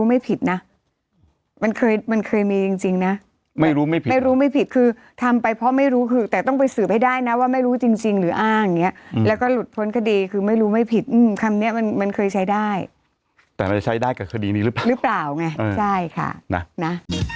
ไม่ผิดนะมันเคยมันเคยมีจริงนะไม่รู้ไม่ผิดไม่รู้ไม่ผิดคือทำไปเพราะไม่รู้คือแต่ต้องไปสืบให้ได้นะว่าไม่รู้จริงจริงหรืออ้างอย่างเงี้ยแล้วก็หลุดพ้นคดีคือไม่รู้ไม่ผิดคำเนี้ยมันมันเคยใช้ได้แต่มันจะใช้ได้กับคดีนี้หรือเปล่าหรือเปล่าไงใช่ค่ะนะ